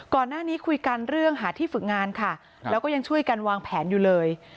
ก่อนหน้านี้คุยกันเรื่องหาที่ฝึกงานค่ะแล้วก็ยังช่วยกันวางแผนอยู่เลย